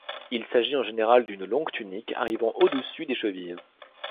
Il s’agit en général d’une longue tunique arrivant au-dessus des chevilles.